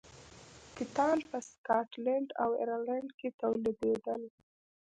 کتان په سکاټلند او ایرلنډ کې تولیدېدل.